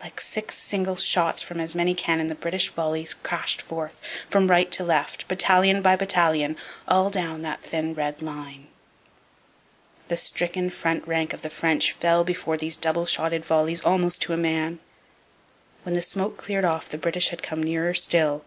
Like six single shots from as many cannon the British volleys crashed forth, from right to left, battalion by battalion, all down that thin red line. The stricken front rank of the French fell before these double shotted volleys almost to a man. When the smoke cleared off the British had come nearer still.